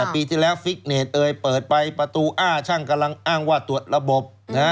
ปีที่แล้วฟิกเนตเอยเปิดไปประตูอ้าช่างกำลังอ้างว่าตรวจระบบ